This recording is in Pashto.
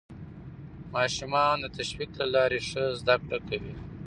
ماشومان د تشویق له لارې ښه زده کړه کوي